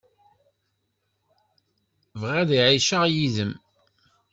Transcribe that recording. Bɣiɣ ad ɛiceɣ yid-m.